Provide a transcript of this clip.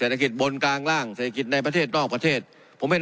เศรษฐกิจบนกลางร่างเศรษฐกิจในประเทศนอกประเทศเสร็จทางน้องเศรษฐกิจ